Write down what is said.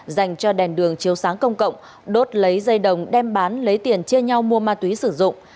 dành cho đèn đường chiếu sáng công cộng đốt lấy dây đồng đem bán lấy tiền chia nhau mua ma túy sử dụng